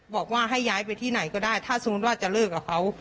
บอกว่าให้ย้ายไปที่ไหนก็ได้ถ้าสมมุติว่าจะเลิกกับเขา